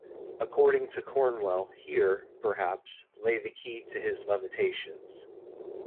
According to Cornwell Here, perhaps, lay the key to his levitations.